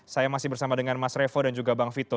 saya masih bersama dengan mas revo dan juga bang vito